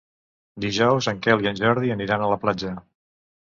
Dijous en Quel i en Jordi aniran a la platja.